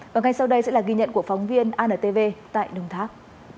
và ngay sau đây sẽ là ghi nhận của phóng viên antv tại đồng tháp